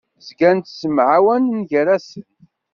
Zgan ttemɛawanen gar-asen.